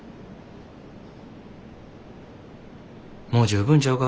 もう十分ちゃうか？